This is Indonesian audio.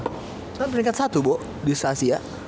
kan teringat satu boh di stasia